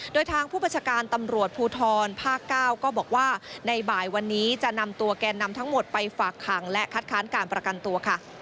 โดยทางผู้บัญชาการตำรวจภูทรภาค๙ก็บอกว่าในบ่ายวันนี้จะนำตัวแกนนำทั้งหมดไปฝากขังและคัดค้านการประกันตัวค่ะ